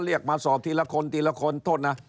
เรียกมาสอบทีละคนทีละคนโทษนะ